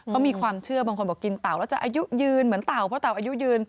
เขามีความเชื่อบางคนบอกกินเต่าแล้วจะอายุยืนเหมือนเต่าเพราะเต่าอายุยืน